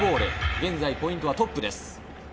現在、ポイントはトップです。